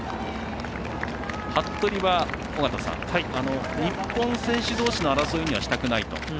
服部は、日本選手同士の争いにはしたくないと。